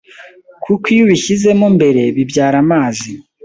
kuko iyo ubishyizemo mbere bibyara amazi